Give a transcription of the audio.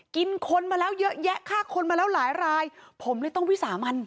กินคนมาแล้วเยอะแยะฆ่าคนมาแล้วหลายรายผมเลยต้องวิสามัน